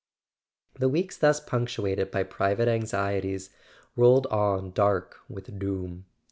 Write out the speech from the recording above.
The weeks thus punctuated by private anxieties rolled on dark with doom.